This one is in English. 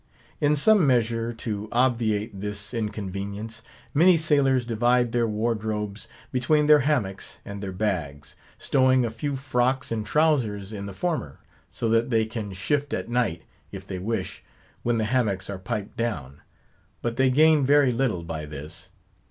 In some measure to obviate this inconvenience, many sailors divide their wardrobes between their hammocks and their bags; stowing a few frocks and trowsers in the former; so that they can shift at night, if they wish, when the hammocks are piped down. But they gain very little by this.